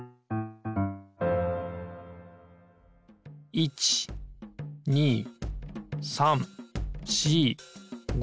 １２３４５６。